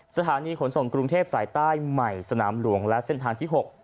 สถานีขนส่งกรุงเทพสายใต้ใหม่สนามหลวงและเส้นทางที่๖